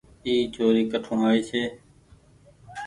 اي ڇوري ڪٺو آئي ڇي۔